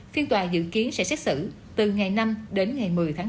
phiên tòa dự kiến sẽ xét xử từ ngày năm đến ngày một mươi tháng bốn